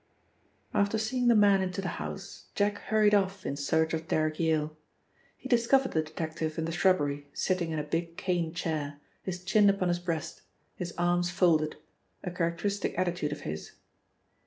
After seeing the man into the house Jack hurried off in search of Derrick Yale. He discovered the detective in the shrubbery sitting in a big cane chair, his chin upon his breast, his arms folded, a characteristic attitude of his.